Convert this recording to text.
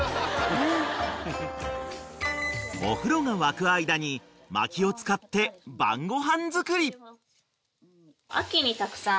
［お風呂が沸く間に薪を使って晩ご飯作り］